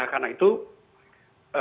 nah karena itu sangat penting untuk kita